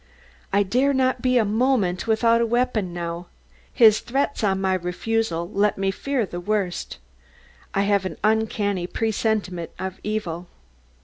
I dare not be a moment without a weapon now his threats on my refusal let me fear the worst. I have an uncanny presentiment of evil.